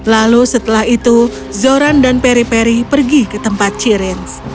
lalu setelah itu zoran dan peri peri pergi ke tempat chirins